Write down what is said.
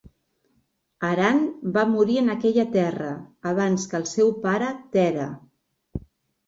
Haran va morir en aquella terra abans que el seu pare Tèrah.